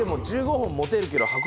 １５本持てるけど。